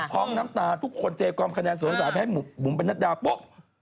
พร้อมน้ำตาทุกคนเจกรมคะแนนสนุนสารแพทย์บุ๋มประนัดดาปุ๊บ